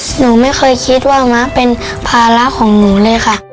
หนูไม่เคยคิดว่าม้าเป็นภาระของหนูเลยค่ะ